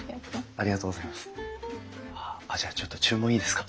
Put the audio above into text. あっじゃあちょっと注文いいですか？